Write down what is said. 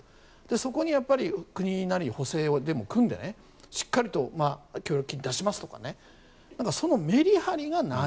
そこに国なり補正でも組んでしっかりと協力金を出しますとかそのメリハリがない。